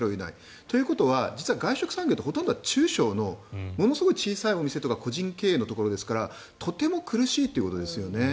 ということは実は外食産業ってほとんどは中小のものすごい小さいお店とか個人経営のところですからとても苦しいということですよね。